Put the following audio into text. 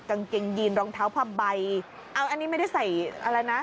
กางเกงยีนรองเท้าผ้าใบเอาอันนี้ไม่ได้ใส่อะไรนะ